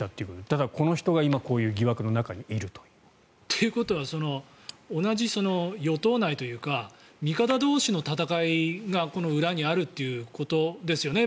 ただ、この人が今、こういう疑惑の中にいると。ということは同じ与党内というか味方同士の戦いが、この裏にあるということですよね。